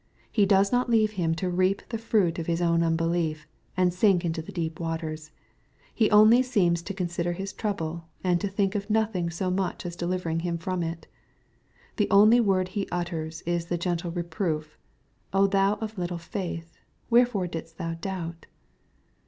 He does not leave him to reap the fruit of his own unbelief, and sink in the deep waters. He only seems to consider his trouble, and to think of nothing so much as delivering hitn from it. The only word He utters, is the gentle reproof, " thou of little faith, wherefore didst thou doubt